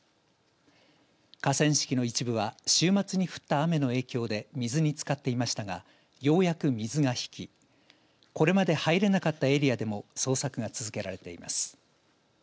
河川敷の一部は週末に降った雨の影響で水につかっていましたがようやく水が引きこれまで入れなかったエリアでも捜索が続けられています。